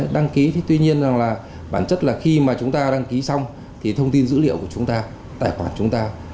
đăng ký thì tuy nhiên rằng là bản chất là khi mà chúng ta đăng ký xong thì thông tin dữ liệu của chúng ta tài khoản chúng ta